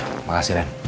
terima kasih ren